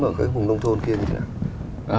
ở cái khu vùng nông thôn kia như thế nào